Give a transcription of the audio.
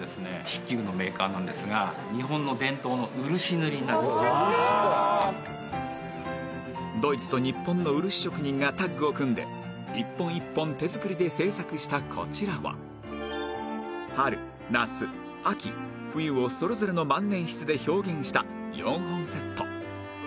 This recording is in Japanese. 筆記具のメーカーなんですが日本の伝統のドイツと日本の漆職人がタッグを組んで一本一本手作りで制作したこちらは春夏秋冬をそれぞれの万年筆で表現した４本セット